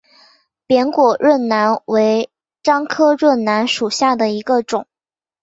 扁果润楠为樟科润楠属下的一个种。